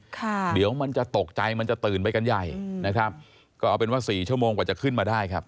ค่ะเดี๋ยวมันจะตกใจมันจะตื่นไปกันใหญ่นะครับก็เอาเป็นว่าสี่ชั่วโมงกว่าจะขึ้นมาได้ครับ